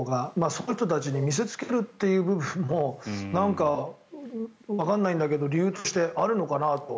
その人たちに見せつけるという部分もなんかわかんないんだけど理由としてあるのかなと。